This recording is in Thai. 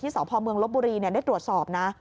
ที่สอพเผาเมืองรถบุรีได้ตรวจสอบนะ